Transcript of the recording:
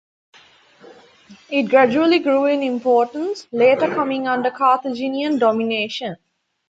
It gradually grew in importance, later coming under Carthaginian domination.